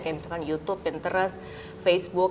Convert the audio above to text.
kayak misalkan youtube interest facebook